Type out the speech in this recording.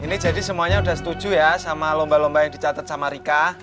ini jadi semuanya sudah setuju ya sama lomba lomba yang dicatat sama rika